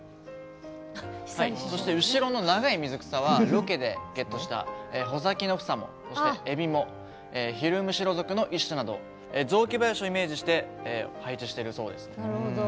後ろの長い水草はロケでゲットしたホザキノフサモ、エビモヒルムシロ属の一種など雑木林をイメージして配置しているそうです。